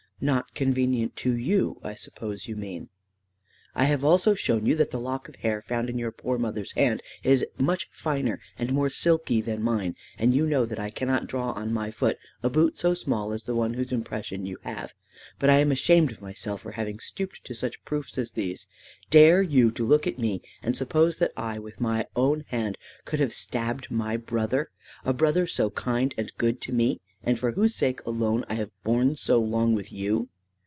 "Not convenient to you, I suppose you mean." "I have also shown you that the lock of hair found in your poor mother's hand is much finer and more silky than mine; and you know that I cannot draw on my foot a boot so small as the one whose impression you have. But I am ashamed of myself for having stooped to such proofs as these. Dare you to look at me and suppose that I with my own hand could have stabbed my brother, a brother so kind and good to me, and for whose sake alone I have borne so long with you?"